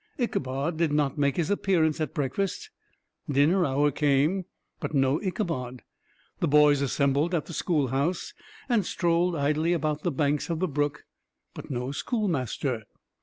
Ichabod did not make his appearance at breakfast dinner hour came, but no Ichabod. The boys assembled at the schoolhouse, and strolled idly about the banks of the brook; but no schoolmaster.